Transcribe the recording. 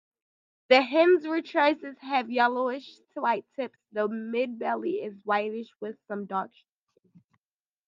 The hen's rectrices have yellowish-white tips; the midbelly is whitish with some dark streaking.